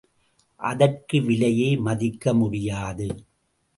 அதற்கு விலையே மதிக்க முடியாது.